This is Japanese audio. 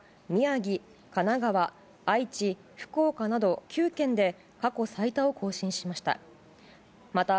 宮城、神奈川、愛知、福岡など９県で